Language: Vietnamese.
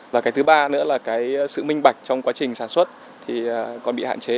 và thứ ba nữa là sự minh bạch trong quá trình sản xuất còn bị hạn chế